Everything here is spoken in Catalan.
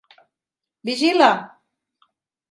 Vigila!